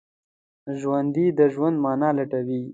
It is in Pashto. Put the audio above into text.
ژوندي د ژوند معنی لټوي